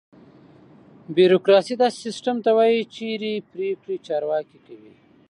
بیوروکراسي: داسې سیستم ته وایي چېرې پرېکړې چارواکي کوي.